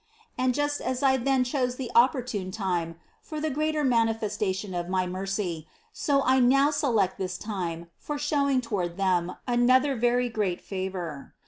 And just as I then chose the opportune time for the greater manifestation of my mercy, so I now select this time for showing toward them another very great favor.